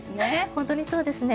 本当にそうですね。